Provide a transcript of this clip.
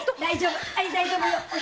はい大丈夫よ！